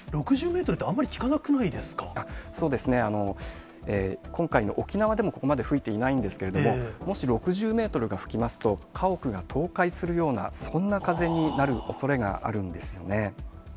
６０メートルって、あんまりそうですね、今回の沖縄でもここまで吹いていないんですけれども、もし６０メートルが吹きますと、家屋が倒壊するような、そんな風になるおそれがあるんですよね。